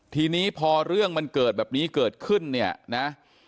ทีนี้พอเรื่องมันเกิดแบบนี้เกิดขึ้นเนี่ยนะ